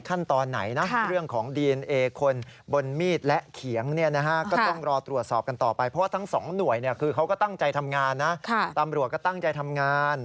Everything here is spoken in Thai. คือเขาก็ตั้งใจทำงานนะตำรวจก็ตั้งใจทำงาน